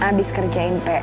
ya bu abis kerjain pek